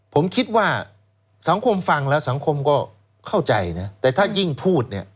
ผมคิดว่าสังคมฟังแล้วสังคมก็เข้าใจนะแต่ถ้ายิ่งพูดเนี่ย